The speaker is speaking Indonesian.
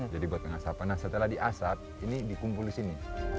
jadi buat mengasap nah setelah diasap ini dikumpul di sini